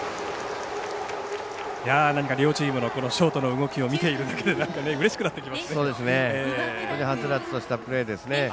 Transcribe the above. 両チーム、ショートの動きを見ているだけではつらつとしたプレーです。